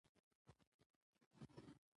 سیاسي شفافیت د فساد مخه نیسي